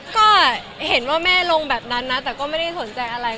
ก็เห็นว่าแม่ลงแบบนั้นนะแต่ก็ไม่ได้สนใจอะไร